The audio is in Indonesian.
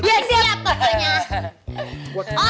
iya siap pokoknya